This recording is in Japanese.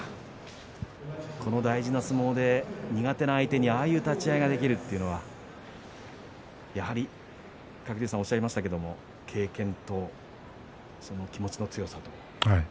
この大事な相撲で苦手な相手にああいう立ち合いができるというのはやはり鶴竜さんおっしゃいましたが経験とその気持ちの強さと。